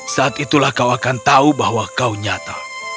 saat itulah kau akan tahu bahwa kau nyata